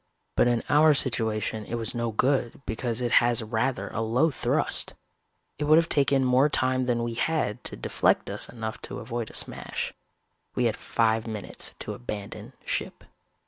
But in our situation it was no good because it has rather a low thrust. It would have taken more time than we had to deflect us enough to avoid a smash. We had five minutes to abandon ship.